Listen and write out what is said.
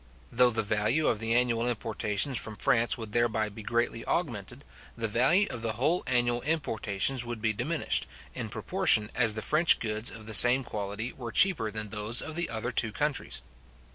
Though the value of the annual importations from France would thereby be greatly augmented, the value of the whole annual importations would be diminished, in proportion as the French goods of the same quality were cheaper than those of the other two countries.